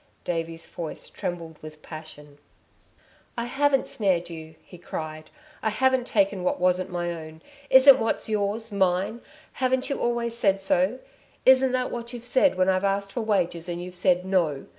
Davey's voice trembled with passion. "I haven't snared you!" he cried, "I haven't taken what wasn't my own. Isn't what's yours, mine? Haven't you always said so? Isn't that what you've said when I've asked for wages and you've said: 'No!'